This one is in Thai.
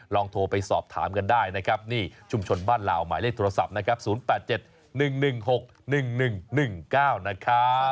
ลองโทรไปสอบถามกันได้นะครับนี่ชุมชนบ้านลาวหมายเลขโทรศัพท์นะครับ๐๘๗๑๑๖๑๑๑๑๙นะครับ